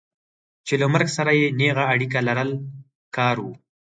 چې له مرګ سره یې نېغه اړیکه لرل کار و.